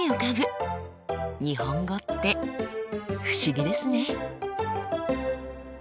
日本語って不思議ですね。